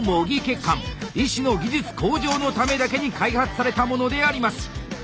医師の技術向上のためだけに開発されたものであります。